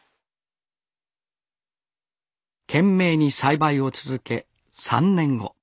懸命に栽培を続け３年後。